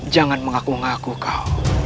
jangan mengaku ngaku kau